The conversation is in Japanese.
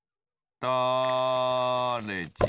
だれじん